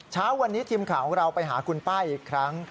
เช้าวันนี้ทีมข่าวของเราไปหาคุณป้าอีกครั้ง